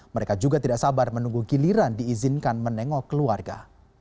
mereka juga tidak sabar menunggu giliran diizinkan menengok keluarga